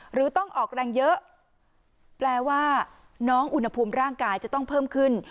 หรือต้องออกแรงเยอะแปลว่าน้องอุณหภูมิร่างกายจะต้องเพิ่มขึ้น